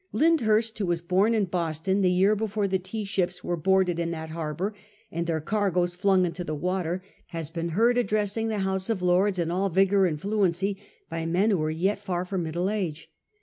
Lyndhurst, who was bom in Boston the year before the tea ships were boarded in that harbour and their cargoes flung into the water, has been heard addressing the House of Lords in all vigour and fluency by men who are yet far from middle age.